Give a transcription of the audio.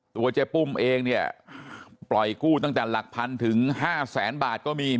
เจ๊ปุ้มเองเนี่ยปล่อยกู้ตั้งแต่หลักพันถึง๕แสนบาทก็มี